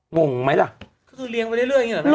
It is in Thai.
งงไหมล่ะก็คือเลี้ยงไปเรื่อยอย่างนี้หรอนะ